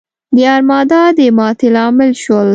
د ارمادا د ماتې لامل شول.